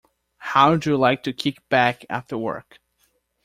How do you like to kick back after work?